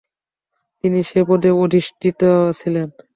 তিনি সে পদে অধিষ্ঠিত ছিলেন।